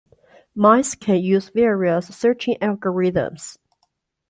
Mice can use various searching algorithms.